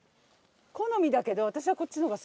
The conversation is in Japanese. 好みだけど私はこっちの方が好きだな。